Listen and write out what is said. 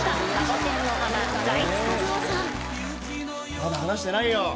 「まだ話してないよ。